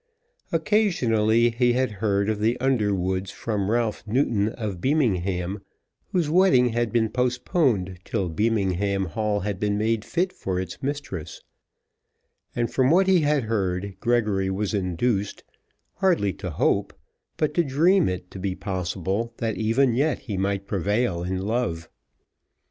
Occasionally he had heard of the Underwoods from Ralph Newton of Beamingham, whose wedding had been postponed till Beamingham Hall had been made fit for its mistress; and from what he had heard Gregory was induced, hardly to hope, but to dream it to be possible that even yet he might prevail in love.